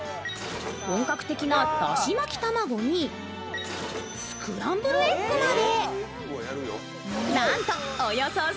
本格的なだし巻き卵に、スクランブルエッグまで。